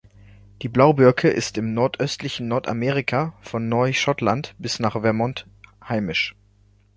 Die Blau-Birke ist im nordöstlichen Nordamerika von Neuschottland bis nach Vermont heimisch.